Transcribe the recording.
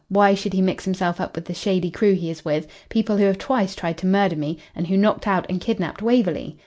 Why should he mix himself up with the shady crew he is with people who have twice tried to murder me, and who knocked out and kidnapped Waverley?